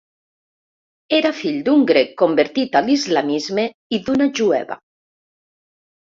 Era fill d'un grec convertit a l'islamisme i d'una jueva.